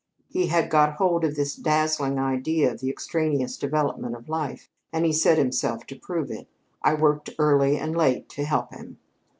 He had got hold of this dazzling idea of the extraneous development of life, and he set himself to prove it. I worked early and late to help him.